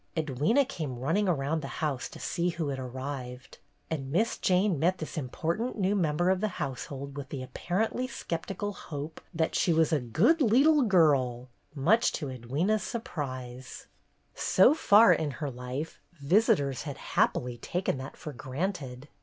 Edwyna came running around the house to see who had arrived, and Miss Jane met this important new member of the household with the apparently sceptical hope "that she was a good leetle girl," much to Edwyna's surprise. So far in her life, visitors had happily taken that for granted.